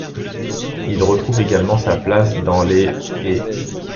Il retrouve également sa place dans les ' et '.